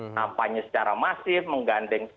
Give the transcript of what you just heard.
nampaknya secara masif menggandeng